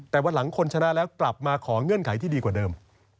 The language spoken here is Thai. แต่วันหลังคนชนะแล้วกลับมาขอเงื่อนไขที่ดีกว่าเดิม